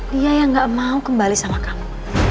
dia yang gak mau kembali sama kamu